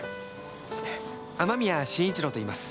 雨宮慎一郎といいます。